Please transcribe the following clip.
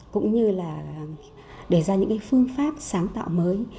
cũng như là để ra những phương pháp sáng tạo mới